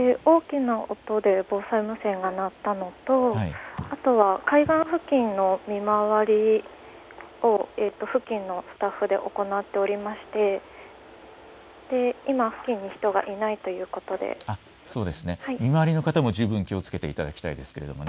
大きな音で防災無線が鳴ったのとあとは海岸付近の見回りを付近のスタッフで行っておりまして、今付近に人がいないということで見回りの方も十分気をつけていただきたいと思います。